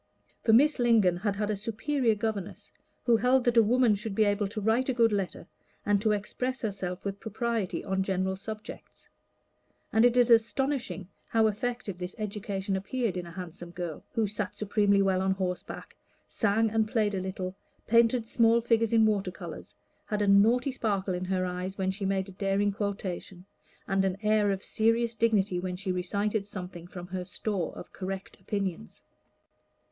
For Miss Lingon had had a superior governess, who held that a woman should be able to write a good letter, and to express herself with propriety on general subjects. And it is astonishing how effective this education appeared in a handsome girl, who sat supremely well on horseback, sang and played a little, painted small figures in water colors, had a naughty sparkle in her eyes when she made a daring quotation, and an air of serious dignity when she recited something from her store of correct opinions.